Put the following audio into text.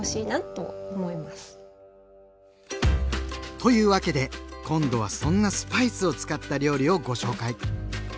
というわけで今度はそんなスパイスを使った料理をご紹介。